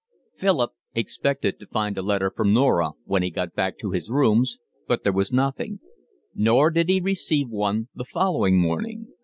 LXX Philip expected to find a letter from Norah when he got back to his rooms, but there was nothing; nor did he receive one the following morning.